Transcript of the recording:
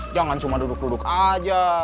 jangan cuma duduk duduk aja